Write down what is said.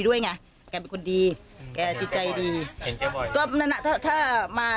แล้วอย่างไม่มีใครอยู่ไหมครับก็ปิดไว้ไม่มา